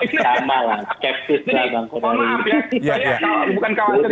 sama lah skeptis lah bang kudari